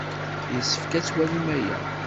Yessefk ad twalim aya.